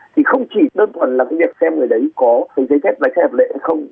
thì không chỉ đơn thuần là việc xem người đấy có giấy chép lái xe hợp lệ hay không